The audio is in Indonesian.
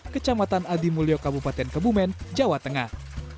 kecamatan adi mulyo kabupaten kebumen jawa tengah